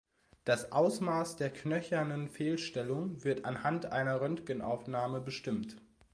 Das Ausmaß der knöchernen Fehlstellung wird anhand einer Röntgenaufnahme bestimmt.